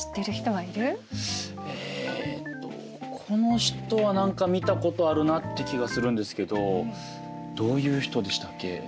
この人は何か見たことあるなって気がするんですけどどういう人でしたっけ？